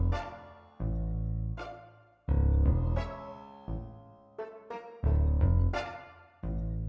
dia mulai bikin perhitungan